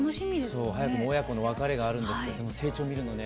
そう早くも親子の別れがあるんですけれども成長見るのね